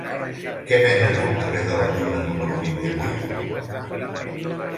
Què venen al carrer de la Lluna número vint-i-vuit?